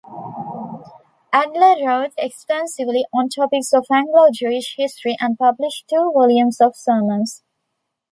Adler wrote extensively on topics of Anglo-Jewish history and published two volumes of sermons.